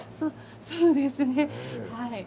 そうですねはい。